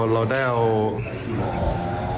เราได้เอา